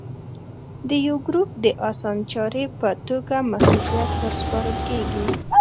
د یوه ګروپ د اسانچاري په توګه مسوولیت ور سپارل کېږي.